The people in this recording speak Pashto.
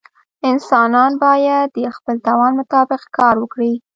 انسان باید د خپل توان مطابق کار وکړي.